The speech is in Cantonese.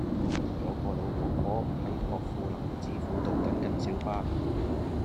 有個老婆婆喺薄扶林置富道等緊小巴